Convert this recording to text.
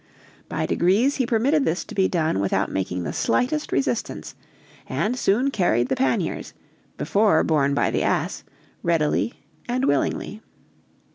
By degrees he permitted this to be done without making the slightest resistance, and soon carried the paniers, before borne by the ass, readily and willingly.